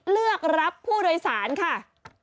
เลือกรับผู้โดยสารค่ะ